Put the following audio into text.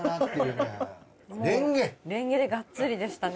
もうれんげでがっつりでしたね。